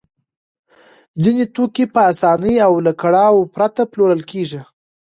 ځینې توکي په اسانۍ او له کړاوه پرته پلورل کېږي